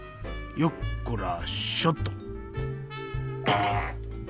よっこらしょっと。